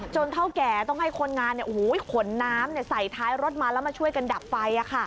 เท่าแก่ต้องให้คนงานขนน้ำใส่ท้ายรถมาแล้วมาช่วยกันดับไฟ